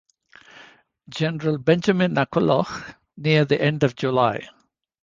General Benjamin McCulloch near the end of July.